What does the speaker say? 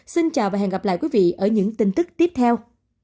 xin chào và hẹn gặp lại quý vị ở những tin tức tiếp theo